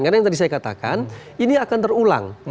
karena yang tadi saya katakan ini akan terulang